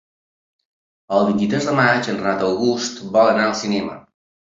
El vint-i-tres de maig en Renat August vol anar al cinema.